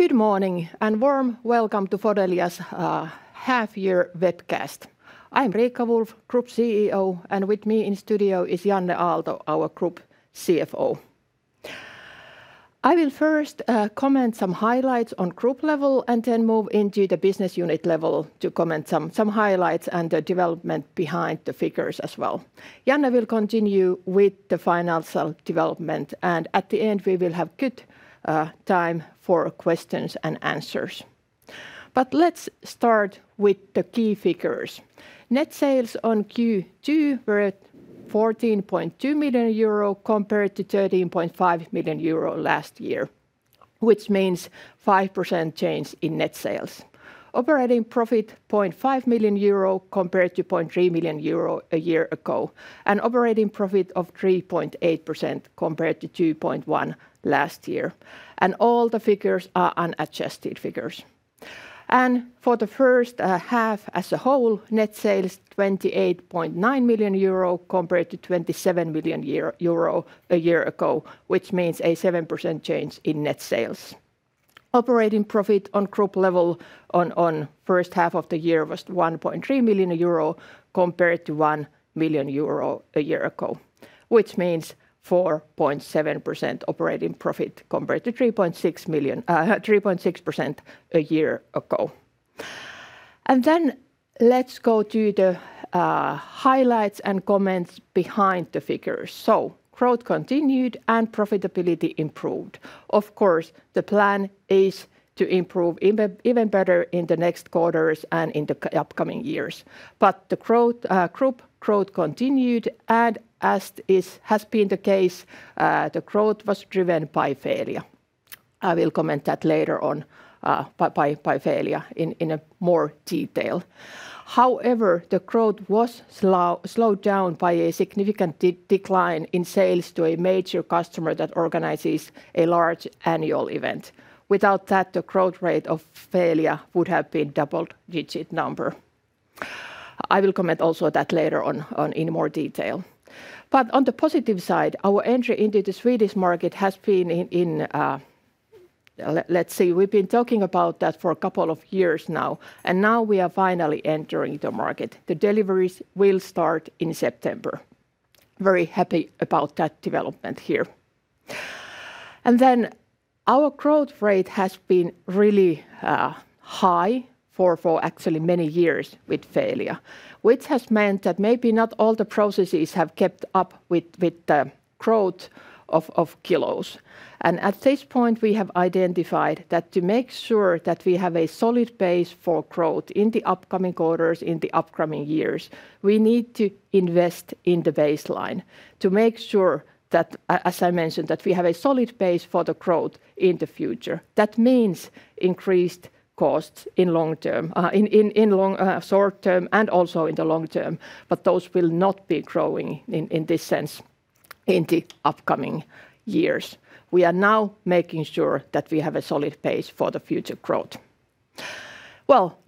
Good morning and a warm welcome to Fodelia's half-year webcast. I'm Riikka Wulff, Group CEO, and with me in studio is Janne Aalto, our Group CFO. I will first comment on some highlights at the group level and then move into the business unit level to comment on some highlights and the development behind the figures as well. Janne will continue with the financial development, and at the end, we will have time for questions and answers. Let's start with the key figures. Net sales in Q2 were 14.2 million euro compared to 13.5 million euro last year, which means a 5% change in net sales. Operating profit was 0.5 million euro compared to 0.3 million euro a year ago, and operating profit of 3.8% compared to 2.1% last year. All the figures are unadjusted figures. For the first half as a whole, net sales were 28.9 million euro compared to 27 million euro a year ago, which means a 7% change in net sales. Operating profit at the group level for the first half of the year was 1.3 million euro compared to 1 million euro a year ago, which means 4.7% operating profit compared to 3.6% a year ago. Let's go to the highlights and comments behind the figures. Growth continued and profitability improved. Of course, the plan is to improve even further in the next quarters and in the upcoming years. The group growth continued, and as has been the case, the growth was driven by Feelia. I will comment on that later in more detail. However, the growth was slowed down by a significant decline in sales to a major customer that organizes a large annual event. Without that, the growth rate of Feelia would have been a double-digit number. I will comment on that later in more detail. On the positive side, our entry into the Swedish market has been Let's see. We've been talking about that for a couple of years now, and now we are finally entering the market. The deliveries will start in September. Very happy about that development. Our growth rate has been really high for many years with Feelia, which has meant that maybe not all the processes have kept up with the growth of kilos. At this point, we have identified that to make sure that we have a solid base for growth in the upcoming quarters and in the upcoming years, we need to invest in the baseline to make sure that, as I mentioned, we have a solid base for growth in the future. That means increased costs in the short term and also in the long term, but those will not be growing in this sense in the upcoming years. We are now making sure that we have a solid base for future growth.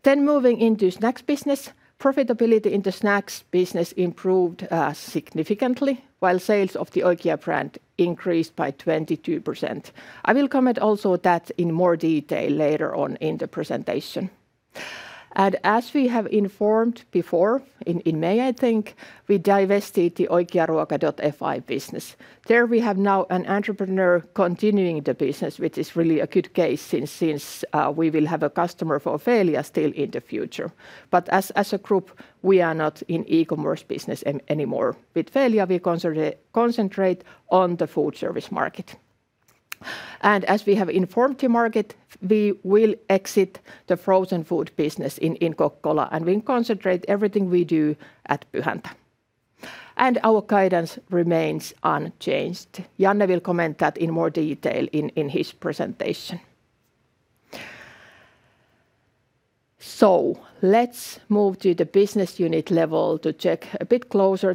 Moving into the snacks business. Profitability in the snacks business improved significantly while sales of the Oikia brand increased by 22%. I will comment on that in more detail later on in the presentation. As we informed before, in May I think, we divested the Oikiaruoka.fi business. There we now have an entrepreneur continuing the business, which is really a good case since we will still have a customer for Feelia in the future. As a group, we are not in the e-commerce business anymore. With Feelia, we concentrate on the food service market. As we have informed the market, we will exit the frozen food business in Kokkola and will concentrate everything we do at Pyhäntä. Our guidance remains unchanged. Janne will comment on that in more detail in his presentation. Let's move to the business unit level to take a closer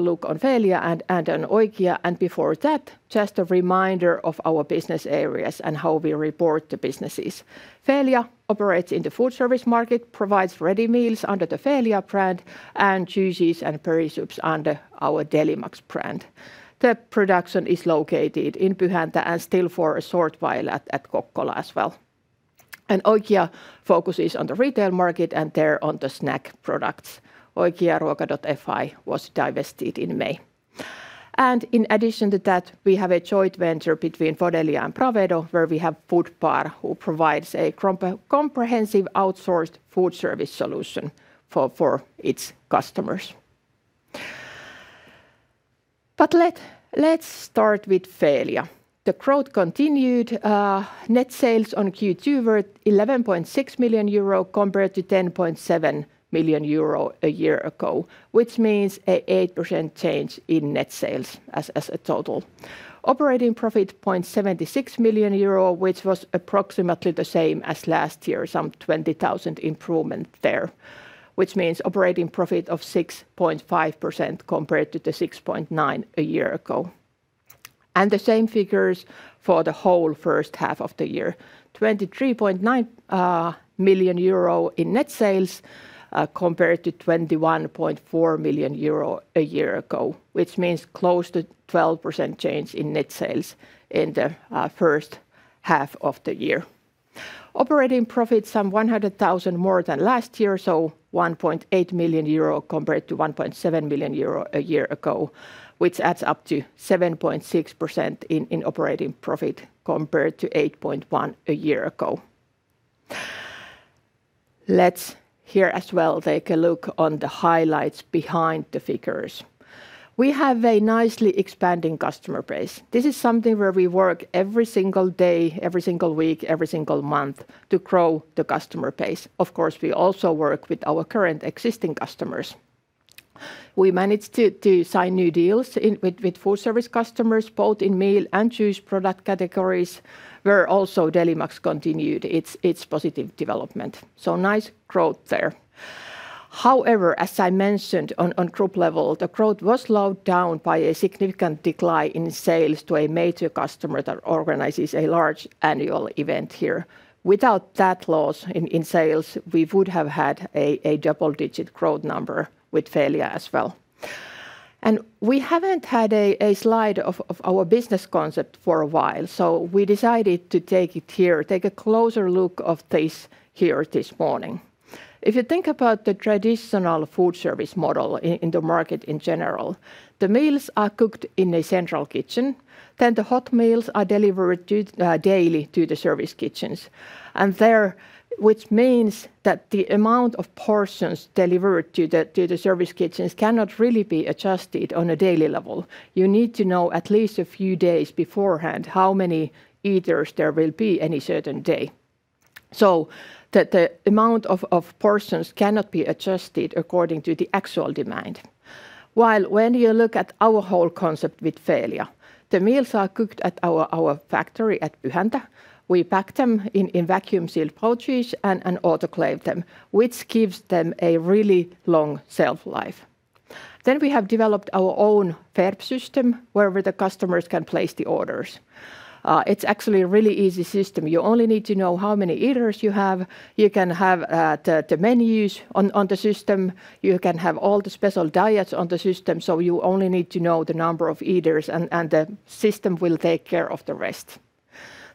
look at Feelia and Oikia. Before that, just a reminder of our business areas and how we report the businesses. Feelia operates in the food service market, provides ready meals under the Feelia brand, and juices and berry soups under our Delimax brand. The production is located in Pyhäntä and still for a short while in Kokkola as well. Oikia focuses on the retail market and their snack products Oikiaruoka.fi was divested in May. In addition to that, we have a joint venture between Fodelia and Bravedo, where we have Fodbar, which provides a comprehensive outsourced food service solution for its customers. Let's start with Feelia. The growth continued. Net sales in Q2 were 11.6 million euro compared to 10.7 million euro a year ago, which means an 8% change in net sales as a total. Operating profit was 0.76 million euro, which was approximately the same as last year, with some 20,000 improvement there, which means operating profit of 6.5% compared to 6.9% a year ago. The same figures for the whole first half of the year. 23.9 million euro in net sales compared to 21.4 million euro a year ago, which means close to a 12% change in net sales in the first half of the year. Operating profit some 100,000 more than last year, so 1.8 million euro compared to 1.7 million euro a year ago, which adds up to 7.6% in operating profit compared to 8.1% a year ago. Let's here as well take a look on the highlights behind the figures. We have a nicely expanding customer base. This is something where we work every single day, every single week, every single month to grow the customer base. Of course, we also work with our current existing customers. We managed to sign new deals with food service customers, both in meal and juice product categories, where also Delimax continued its positive development. Nice growth there. However, as I mentioned, on group level, the growth was slowed down by a significant decline in sales to a major customer that organizes a large annual event here. Without that loss in sales, we would have had a double-digit growth number with Feelia as well. We haven't had a slide of our business concept for a while, so we decided to take it here, take a closer look of this here this morning. If you think about the traditional food service model in the market in general, the meals are cooked in a central kitchen, then the hot meals are delivered daily to the service kitchens. There, which means that the amount of portions delivered to the service kitchens cannot really be adjusted on a daily level. You need to know at least a few days beforehand how many eaters there will be any certain day. The amount of portions cannot be adjusted according to the actual demand. When you look at our whole concept with Feelia, the meals are cooked at our factory at Pyhäntä. We pack them in vacuum-sealed pouches and autoclave them, which gives them a really long shelf life. We have developed our own web system where the customers can place the orders. It's actually a really easy system. You only need to know how many eaters you have. You can have the menus on the system. You can have all the special diets on the system, so you only need to know the number of eaters, and the system will take care of the rest.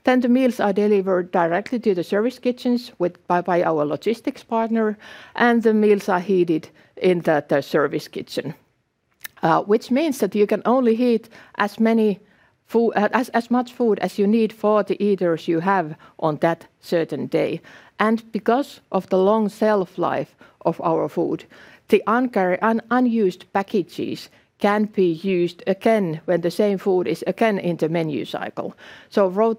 The meals are delivered directly to the service kitchens by our logistics partner, and the meals are heated in the service kitchen, which means that you can only heat as much food as you need for the eaters you have on that certain day. Because of the long shelf life of our food, the unused packages can be used again when the same food is again in the menu cycle. When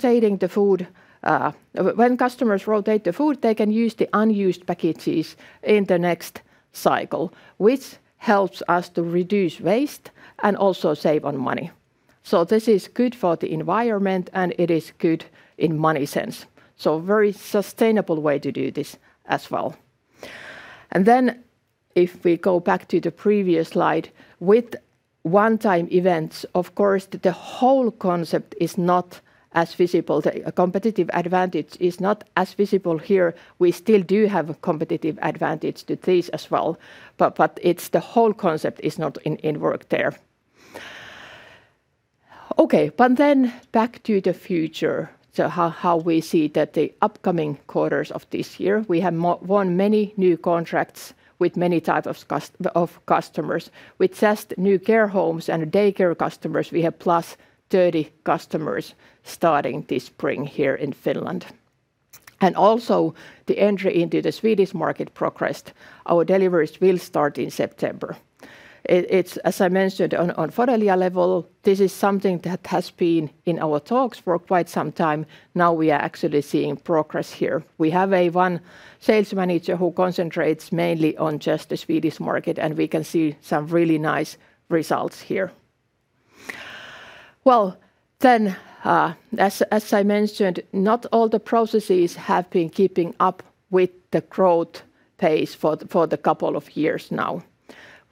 customers rotate the food, they can use the unused packages in the next cycle, which helps us to reduce waste and also save on money. This is good for the environment, and it is good in money sense. Very sustainable way to do this as well. If we go back to the previous slide, with one-time events, of course, the whole concept is not as visible. The competitive advantage is not as visible here. We still do have a competitive advantage to this as well, but the whole concept is not in work there. Back to the future. How we see that the upcoming quarters of this year, we have won many new contracts with many types of customers. With just new care homes and daycare customers, we have +30 customers starting this spring here in Finland. Also the entry into the Swedish market progressed. Our deliveries will start in September. As I mentioned, on Fodelia level, this is something that has been in our talks for quite some time. We are actually seeing progress here. We have one sales manager who concentrates mainly on just the Swedish market, and we can see some really nice results here. As I mentioned, not all the processes have been keeping up with the growth pace for the couple of years now.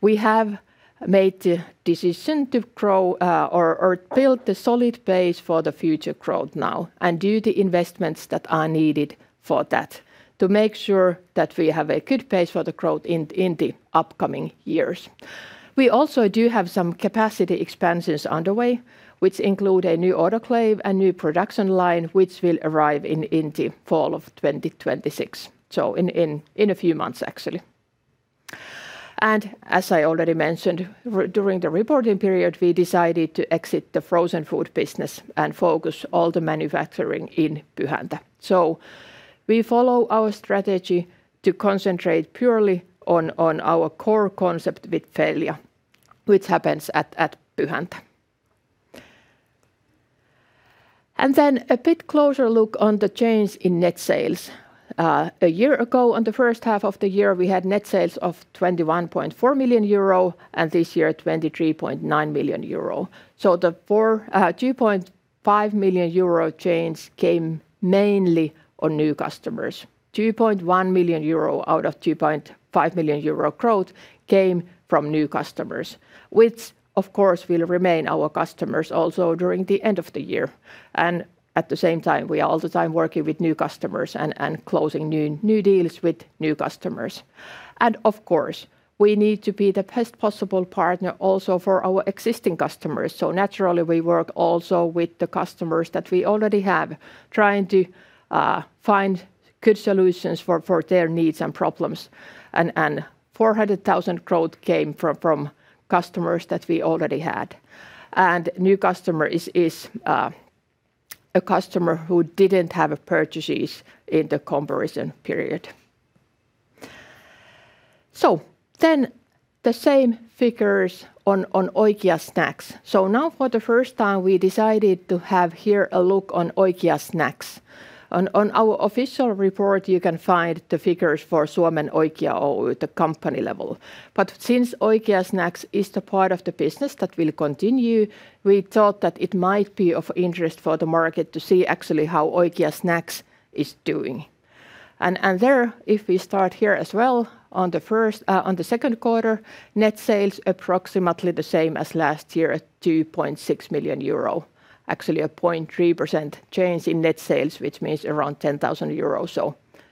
We have made the decision to grow or build the solid base for the future growth now and do the investments that are needed for that to make sure that we have a good pace for the growth in the upcoming years. We also do have some capacity expansions underway, which include a new autoclave and new production line, which will arrive in the fall of 2026. In a few months, actually. As I already mentioned, during the reporting period, we decided to exit the frozen food business and focus all the manufacturing in Pyhäntä. We follow our strategy to concentrate purely on our core concept with Feelia, which happens at Pyhäntä. A bit closer look on the change in net sales. A year ago, on the first half of the year, we had net sales of 21.4 million euro and this year 23.9 million euro. The 2.5 million euro change came mainly on new customers. 2.1 million euro out of 2.5 million euro growth came from new customers, which of course will remain our customers also during the end of the year. At the same time, we are all the time working with new customers and closing new deals with new customers. Of course, we need to be the best possible partner also for our existing customers. Naturally, we work also with the customers that we already have, trying to find good solutions for their needs and problems. 400,000 growth came from customers that we already had. New customer is a customer who didn't have purchases in the comparison period. The same figures on Oikia Snacks. For the first time, we decided to have here a look on Oikia Snacks. On our official report, you can find the figures for Suomen Oikia Oy at the company level. Since Oikia Snacks is the part of the business that will continue, we thought that it might be of interest for the market to see actually how Oikia Snacks is doing. If we start here as well on the second quarter, net sales approximately the same as last year at 2.6 million euro. Actually, a 0.3% change in net sales, which means around 10,000 euro.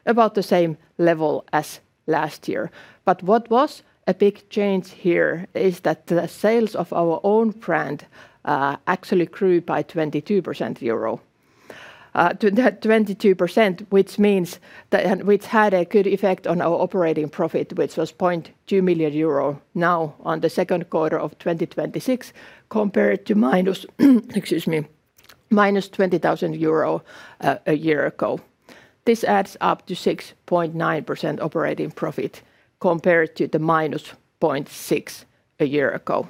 About the same level as last year. What was a big change here is that the sales of our own brand actually grew by 22%, which had a good effect on our operating profit, which was 0.2 million euro now on the second quarter of 2026 compared to -20,000 euro a year ago. This adds up to 6.9% operating profit compared to -0.6% a year ago.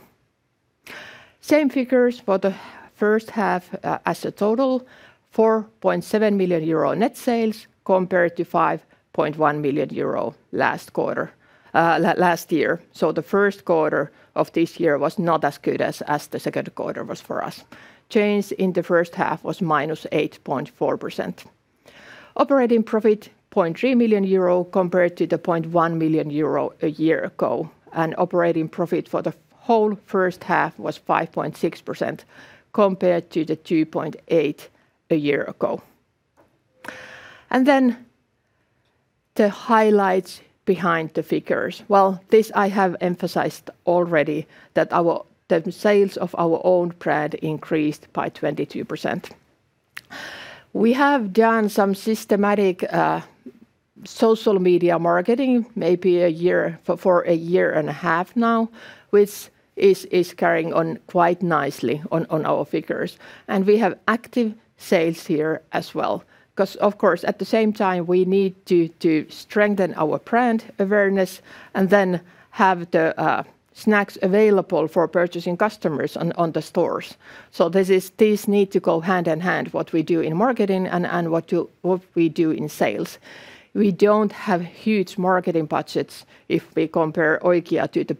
Same figures for the first half as a total. 4.7 million euro net sales compared to 5.1 million euro last year. The first quarter of this year was not as good as the second quarter was for us. Change in the first half was -8.4%. Operating profit, 0.3 million euro compared to 0.1 million euro a year ago, and operating profit for the whole first half was 5.6% compared to 2.8% a year ago. The highlights behind the figures. This I have emphasized already, that the sales of our own brand increased by 22%. We have done some systematic social media marketing, maybe for a year and a half now, which is carrying on quite nicely on our figures. We have active sales here as well because, of course, at the same time, we need to strengthen our brand awareness and have the snacks available for purchasing customers on the stores. These need to go hand in hand, what we do in marketing and what we do in sales. We don't have huge marketing budgets if we compare Oikia to the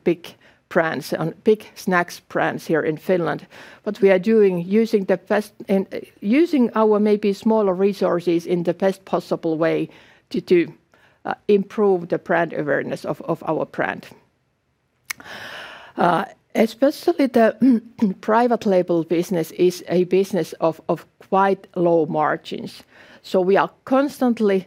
big snacks brands here in Finland. We are using our maybe smaller resources in the best possible way to improve the brand awareness of our brand. Especially the private label business is a business of quite low margins. We are constantly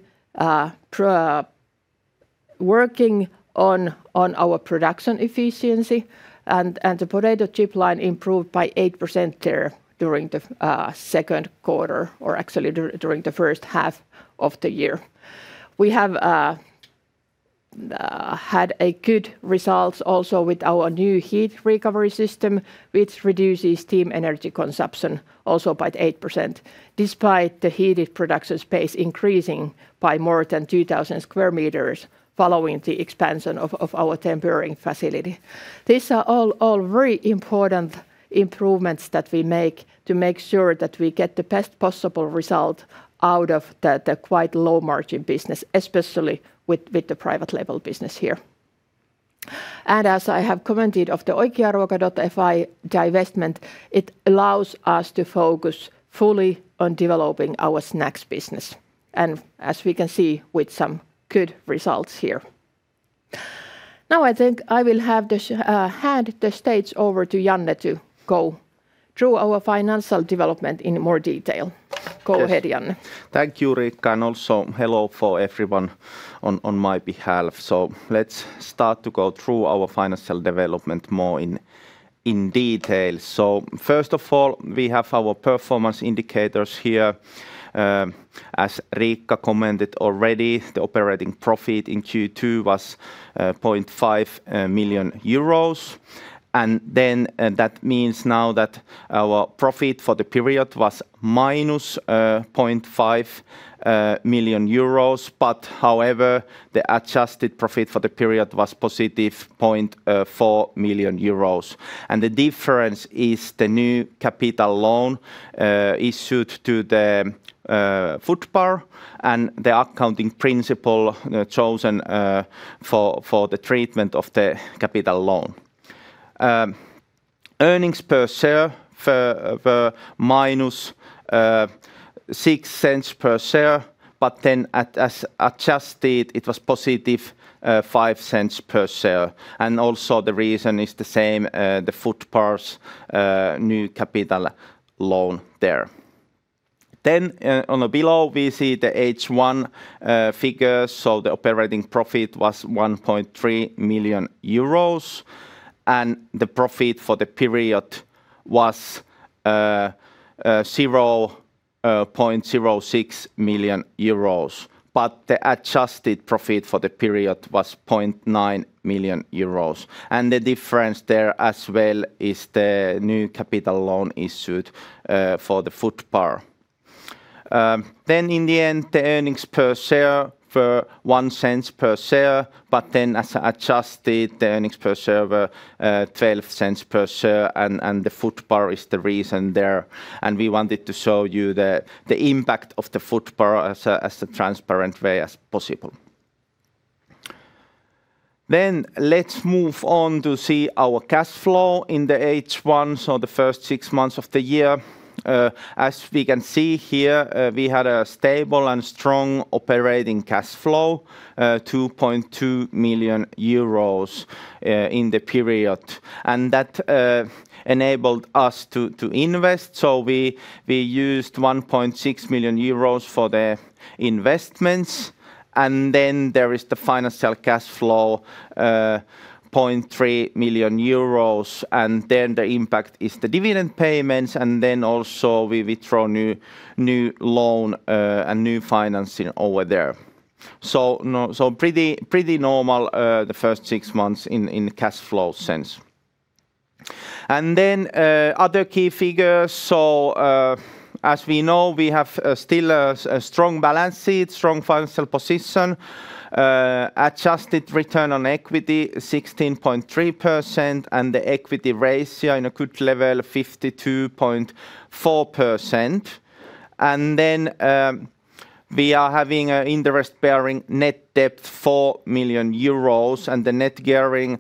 working on our production efficiency, the potato chip line improved by 8% there during the second quarter or actually during the first half of the year. We have had good results also with our new heat recovery system, which reduces steam energy consumption also by 8%, despite the heated production space increasing by more than 2,000 sq meters following the expansion of our tempering facility. These are all very important improvements that we make to make sure that we get the best possible result out of the quite low margin business, especially with the private label business here. As I have commented of the Oikiaruoka.fi divestment, it allows us to focus fully on developing our snacks business. As we can see, with some good results here. I think I will hand the stage over to Janne to go through our financial development in more detail. Go ahead, Janne. Thank you, Riikka, and also hello for everyone on my behalf. Let's start to go through our financial development more in detail. First of all, we have our performance indicators here. As Riikka commented already, the operating profit in Q2 was 0.5 million euros. That means now that our profit for the period was -0.5 million euros. However, the adjusted profit for the period was +0.4 million euros. The difference is the new capital loan issued to the Fodbar and the accounting principle chosen for the treatment of the capital loan. Earnings per share were -0.06 per share, as adjusted, it was +0.05 per share. Also the reason is the same, the Fodbar's new capital loan there. On below, we see the H1 figures. The operating profit was 1.3 million euros, the profit for the period was 0.06 million euros. The adjusted profit for the period was 0.9 million euros. The difference there as well is the new capital loan issued for the Fodbar. In the end, the earnings per share for 0.01 per share, as adjusted the earnings per share were 0.12 per share and the Fodbar is the reason there. We wanted to show you the impact of the Fodbar as a transparent way as possible. Let's move on to see our cash flow in the H1, so the first six months of the year. As we can see here, we had a stable and strong operating cash flow, 2.2 million euros in the period. That enabled us to invest. We used 1.6 million euros for the investments and there is the financial cash flow, 0.3 million euros. The impact is the dividend payments, also we withdraw new loan and new financing over there. Pretty normal the first six months in cash flow sense. Other key figures. As we know, we have still a strong balance sheet, strong financial position, adjusted return on equity 16.3%, and the equity ratio in a good level, 52.4%. We are having interest bearing net debt 4 million euros and the net gearing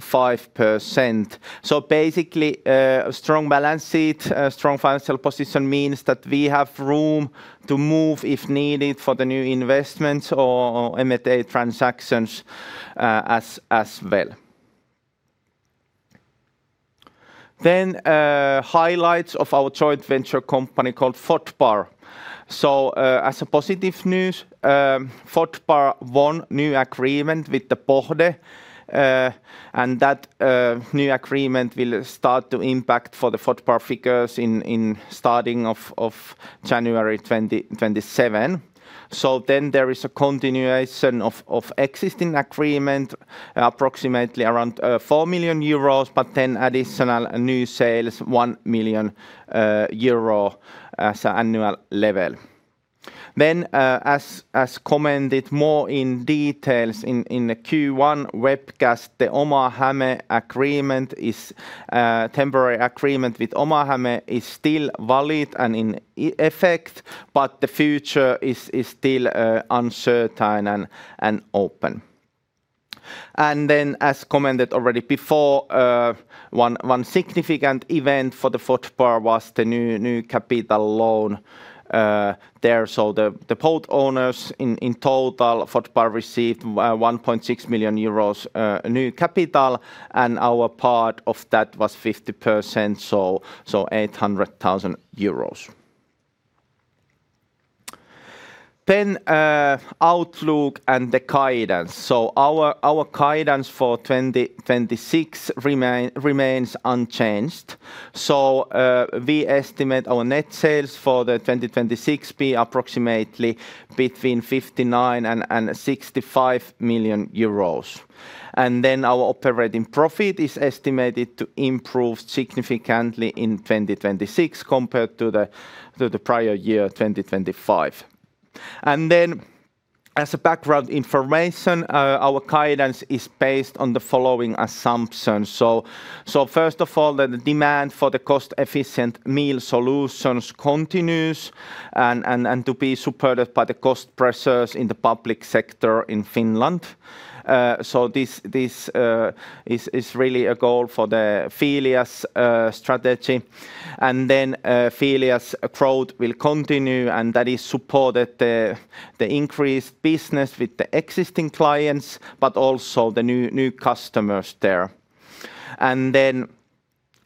34.5%. Basically, strong balance sheet, strong financial position means that we have room to move if needed for the new investments or M&A transactions as well. Highlights of our joint venture company called Fodbar. As a positive news, Fodbar won new agreement with the Pohjois-Pohjanmaan hyvinvointialue. That new agreement will start to impact for the Fodbar figures in starting of January 2027. There is a continuation of existing agreement approximately 4 million euros, but additional new sales 1 million euro as annual level. As commented more in details in the Q1 webcast, the Oma Häme agreement is temporary agreement with Oma Häme is still valid and in effect, but the future is still uncertain and open. As commented already before one significant event for the Fodbar was the new capital loan there. The board owners in total Fodbar received 1.6 million euros new capital and our part of that was 50%, so 800,000 euros. Outlook and the guidance. Our guidance for 2026 remains unchanged. We estimate our net sales for the 2026 be approximately between 59 million and 65 million euros. Our operating profit is estimated to improve significantly in 2026 compared to the prior year 2025. As a background information, our guidance is based on the following assumptions. First of all, the demand for the cost-efficient meal solutions continues and to be supported by the cost pressures in the public sector in Finland. This is really a goal for the Feelia's strategy. Feelia's growth will continue, and that is supported the increased business with the existing clients, but also the new customers there.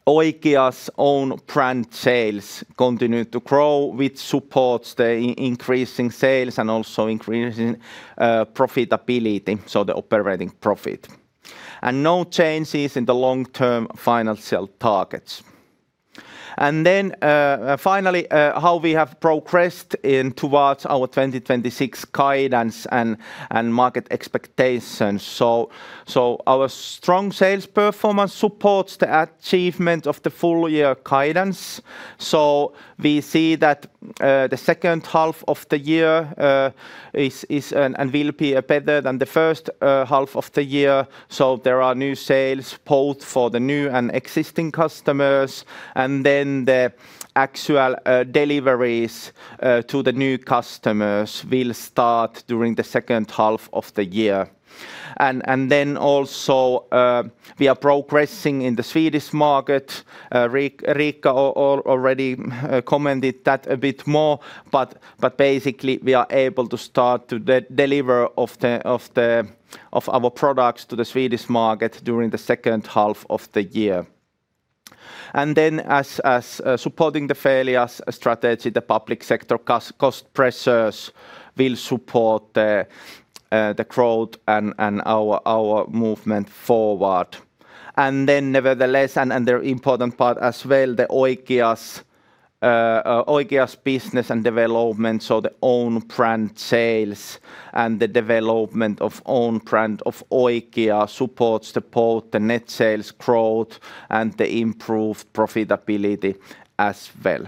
Oikia's own brand sales continue to grow, which supports the increasing sales and also increasing profitability, so the operating profit. No changes in the long-term financial targets. Finally, how we have progressed in towards our 2026 guidance and market expectations. Our strong sales performance supports the achievement of the full year guidance. We see that the second half of the year is and will be better than the first half of the year. There are new sales both for the new and existing customers, and the actual deliveries to the new customers will start during the second half of the year. Also we are progressing in the Swedish market. Riikka already commented that a bit more. Basically, we are able to start to deliver of our products to the Swedish market during the second half of the year. As supporting the Feelia's strategy, the public sector cost pressures will support the growth and our movement forward. Nevertheless and the important part as well, the Oikia's business and development. The own brand sales and the development of own brand of Oikia's supports both the net sales growth and the improved profitability as well.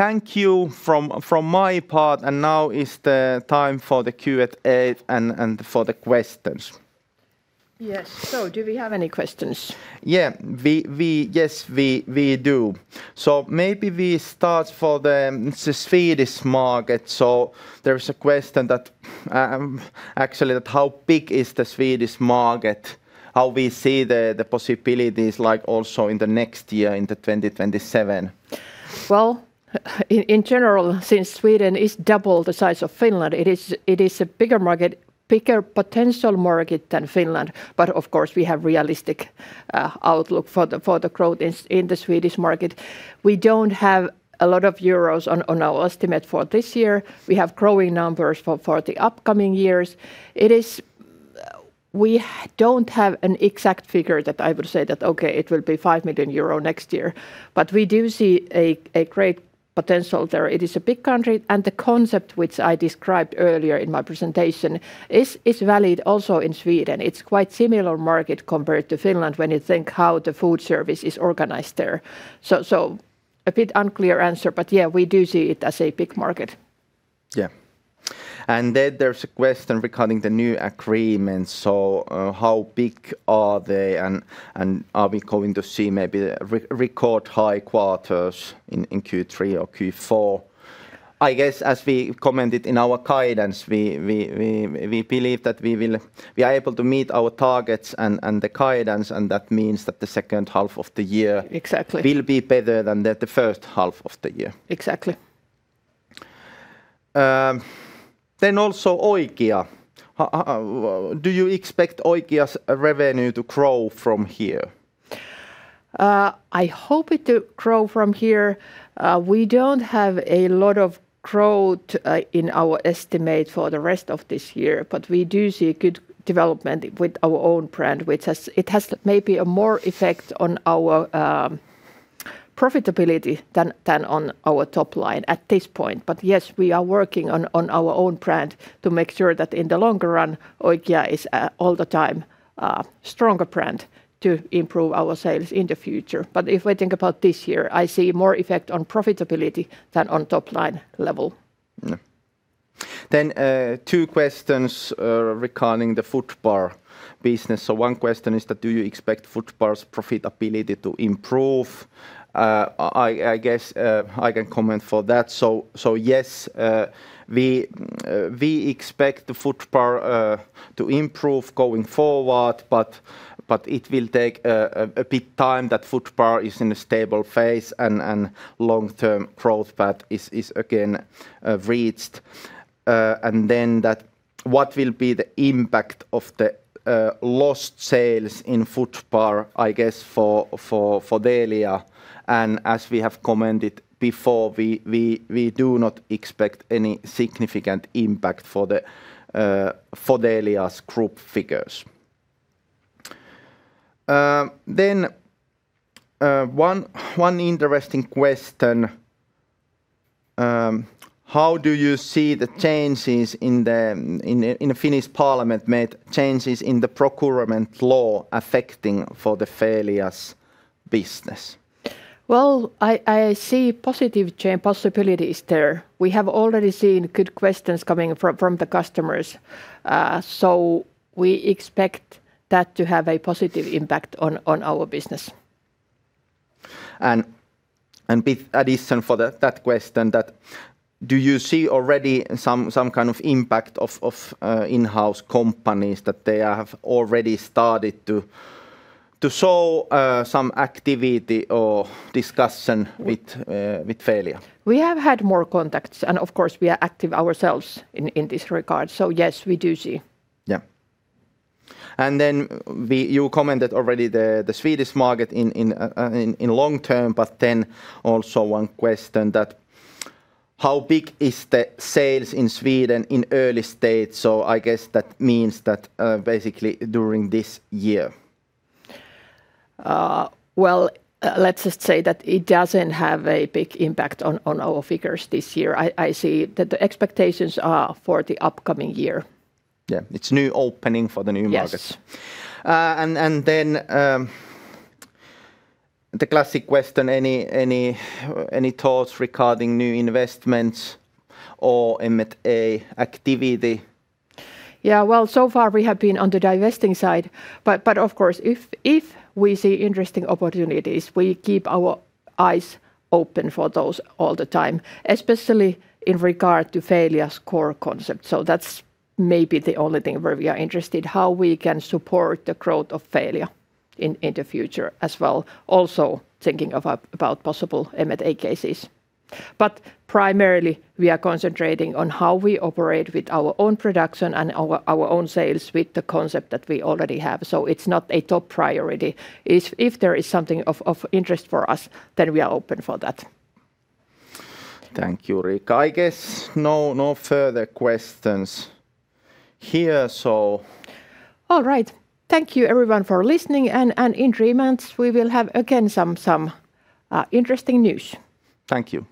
Thank you from my part, and now is the time for the Q&A and for the questions. Yes. Do we have any questions? Yes, we do. Maybe we start for the Swedish market. There's a question that actually, how big is the Swedish market? How we see the possibilities like also in the next year, in 2027? Well, in general, since Sweden is double the size of Finland, it is a bigger market, bigger potential market than Finland. Of course, we have realistic outlook for the growth in the Swedish market. We don't have a lot of euros on our estimate for this year. We have growing numbers for the upcoming years. We don't have an exact figure that I would say that, "Okay, it will be 5 million euro next year." We do see a great potential there. It is a big country, and the concept which I described earlier in my presentation is valid also in Sweden. It's quite similar market compared to Finland when you think how the foodservice is organized there. A bit unclear answer, but yeah, we do see it as a big market. Yeah. Then there's a question regarding the new agreements. How big are they, and are we going to see maybe record high quarters in Q3 or Q4? I guess as we commented in our guidance, we believe that we are able to meet our targets and the guidance, that means that the second half of the year Exactly will be better than the first half of the year. Exactly. Also Oikia. Do you expect Oikia's revenue to grow from here? I hope it to grow from here. We don't have a lot of growth in our estimate for the rest of this year, but we do see good development with our own brand, which it has maybe a more effect on our profitability than on our top line at this point. Yes, we are working on our own brand to make sure that in the longer run, Oikia is all the time a stronger brand to improve our sales in the future. If we think about this year, I see more effect on profitability than on top-line level. Two questions regarding the Fodbar business. One question is that do you expect Fodbar's profitability to improve? I guess I can comment for that. Yes, we expect the Fodbar to improve going forward, but it will take a bit time that Fodbar is in a stable phase and long-term growth path is again reached. What will be the impact of the lost sales in Fodbar, I guess, for Fodelia? As we have commented before, we do not expect any significant impact for Fodelia's group figures. One interesting question. How do you see the changes in the Finnish parliament made changes in the procurement law affecting for the Fodelia's business? Well, I see positive possibilities there. We have already seen good questions coming from the customers. We expect that to have a positive impact on our business. Addition for that question that, do you see already some kind of impact of in-house companies that they have already started to show some activity or discussion with Fodelia? We have had more contacts, and of course, we are active ourselves in this regard, so yes, we do see. Yeah. You commented already the Swedish market in long term, but then also one question that how big is the sales in Sweden in early stage? I guess that means that basically during this year. Well, let's just say that it doesn't have a big impact on our figures this year. I see that the expectations are for the upcoming year. Yeah. It's new opening for the new markets. Yes. The classic question. Any thoughts regarding new investments or M&A activity? Yeah. Well, so far we have been on the divesting side. Of course, if we see interesting opportunities, we keep our eyes open for those all the time, especially in regard to Fodelia's core concept. That's maybe the only thing where we are interested, how we can support the growth of Fodelia in the future as well. Also thinking about possible M&A cases. Primarily, we are concentrating on how we operate with our own production and our own sales with the concept that we already have. It's not a top priority. If there is something of interest for us, then we are open for that. Thank you, Riikka. I guess no further questions here. All right. Thank you everyone for listening, and in three months we will have again some interesting news. Thank you